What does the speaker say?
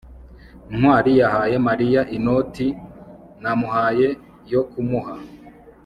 ntwali yahaye mariya inoti namuhaye yo kumuha